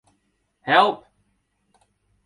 Help.